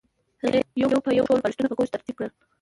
هغې یو په یو ټول بالښتونه په کوچ ترتیب کړل